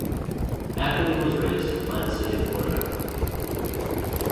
Ackerman was raised in Plant City, Florida.